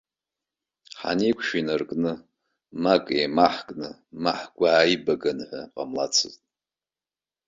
Ҳанеиқәшәа инаркны, ма акы еимаҳкны, ма ҳгәы ааибаганы ҳәа ҟамлацызт.